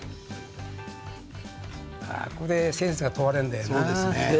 ここでセンスが問われるんだよね。